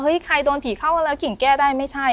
ใครโดนผีเข้าแล้วกิ่งแก้ได้ไม่ใช่